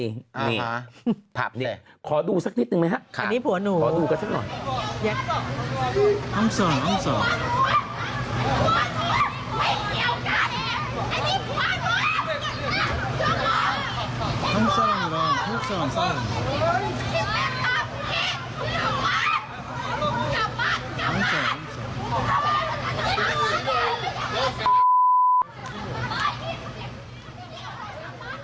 นี่ภาพนี้ขอดูสักนิดหนึ่งนะฮะขอดูกันสักหน่อยอันนี้ผัวหนู